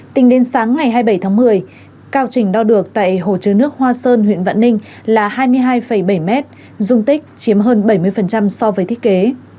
tính đến sáng ngày hai mươi bảy tháng một mươi cao trình đo được tại hồ chứa nước hoa sơn huyện vạn ninh là hai mươi hai bảy mét dung tích chiếm hơn bảy mươi so với thiết kế